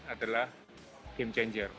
adalah game changer